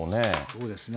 そうですね。